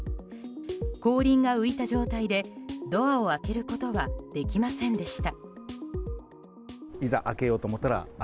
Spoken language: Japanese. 後輪が浮いた状態でドアを開けることはできませんでした。